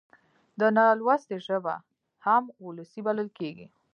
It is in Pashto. د نالوستي ژبه هم وولسي بلل کېږي.